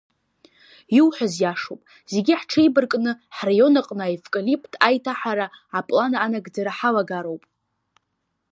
Иуҳәаз иашоуп, зегьы ҳҽеибаркны, ҳраион аҟны аевкалипт аиҭаҳара аплан анагӡара ҳалагароуп.